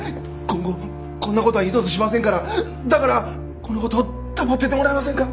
今後こんな事は二度としませんからだからこの事黙っててもらえませんか？